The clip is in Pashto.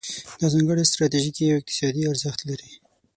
دا ځانګړی ستراتیژیکي او اقتصادي ارزښت لري.